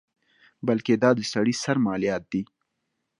بلکې دا د سړي سر مالیات دي.